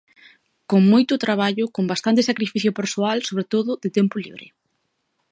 Con moito traballo, con bastante sacrificio persoal, sobre todo de tempo libre.